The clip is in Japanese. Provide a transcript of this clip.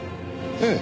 ええ。